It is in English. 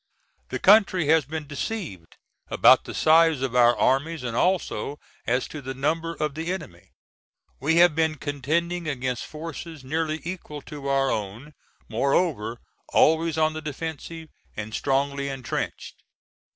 The country has been deceived about the size of our armies and also as to the number of the enemy. We have been contending against forces nearly equal to our own, moreover always on the defensive and strongly intrenched.